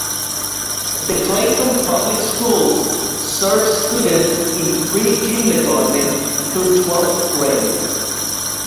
The Clayton Public Schools serve students in pre-kindergarten through twelfth grade.